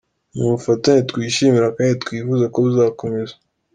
Ni ubufatanye twishimira kandi twifuza ko buzakomeza.